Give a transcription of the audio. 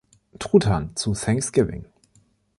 Truthahn zu Thanksgiving.